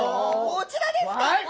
こちらですか！